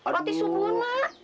roti subuh nak